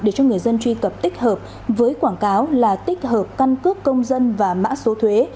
để cho người dân truy cập tích hợp với quảng cáo là tích hợp căn cước công dân và mã số thuế